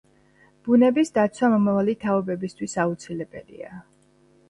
ბუნების დაცვა მომავალი თაობებისთვის აუცილებელია.